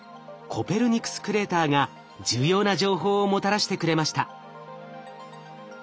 コペルニクスクレーターが重要な情報をもたらしてくれました。